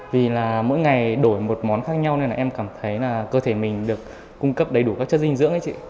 vì là mỗi ngày đổi một món khác nhau nên là em cảm thấy là cơ thể mình được cung cấp đầy đủ các chất dinh dưỡng ấy chị